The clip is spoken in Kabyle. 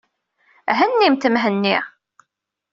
Hennimt Mhenni.